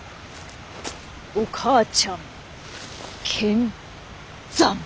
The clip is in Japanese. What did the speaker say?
お母ちゃん見参」。